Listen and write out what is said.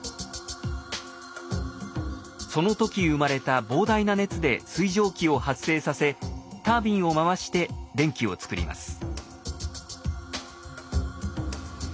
その時生まれた膨大な熱で水蒸気を発生させタービンを回して電気を作ります。